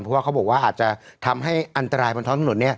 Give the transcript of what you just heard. เพราะว่าเขาบอกว่าอาจจะทำให้อันตรายบนท้องถนน